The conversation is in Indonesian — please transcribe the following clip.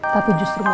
tapi justru memaham